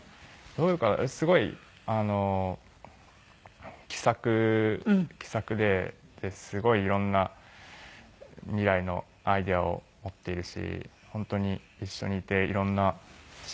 どういう方すごい気さくですごい色んな未来のアイデアを持っているし本当に一緒にいて色んな刺激をもらえますね。